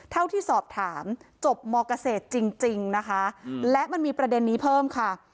เท่าที่สอบถามจบมเกษตรจริงนะคะและมันมีประเด็นนี้เพิ่มค่ะ